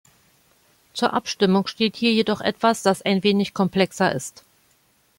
Zur Abstimmung steht hier jedoch etwas, das ein wenig komplexer ist.